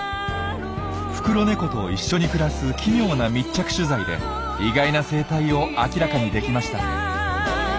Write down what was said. フクロネコと一緒に暮らす奇妙な密着取材で意外な生態を明らかにできました。